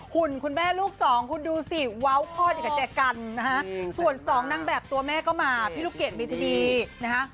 หุ่นคุณแม่ลูกสองคุณดูสิว้าวข้อเดียวกันส่วนสองนั่งแบบตัวแม่ก็มาพี่ลูกเกดมีทีดีนะครับ